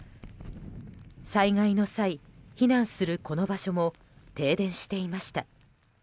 災害の際、避難するこの場所も停電していました。